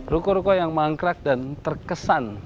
ruko ruko yang mangkrak dan terkesan